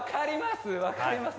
分かります